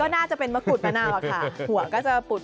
ก็น่าจะเป็นมะกรูดตามหน้ามาคะหน่วงก็จะปุ่ด